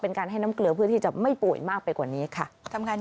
เป็นการให้น้ำเกลือพื้นที่จะไม่ป่วยมากไปกว่านี้ค่ะทำงาน